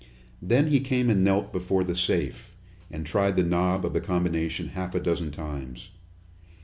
Then he came and knelt down before the safe, and tried the knob of the combination half a dozen times.